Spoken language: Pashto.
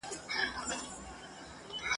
ته لاهو په تنهایی کي ..